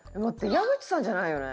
矢口さんじゃないよね？